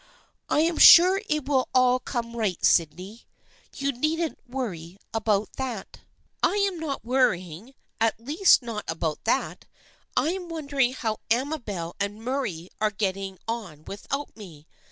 " I am sure it will all come right, Sydney. You needn't worry about that." " I'm not worrying, at least not about that. I am wondering how Amabel and Murray are get ting on without me.